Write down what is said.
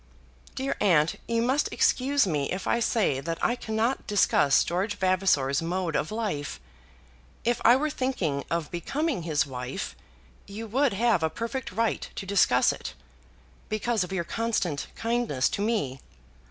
"Dear aunt, you must excuse me if I say that I cannot discuss George Vavasor's mode of life. If I were thinking of becoming his wife you would have a perfect right to discuss it, because of your constant kindness to me.